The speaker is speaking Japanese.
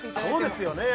そうですよね